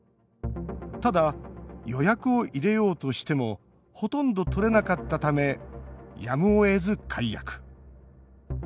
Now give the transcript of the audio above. ただ、予約を入れようとしてもほとんど取れなかったためやむをえず、解約。